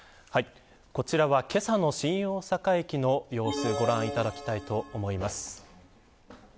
こちらは、けさの新大阪駅の様子ご覧いただきたいと思います。